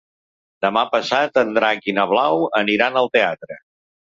Demà passat en Drac i na Blau aniran al teatre.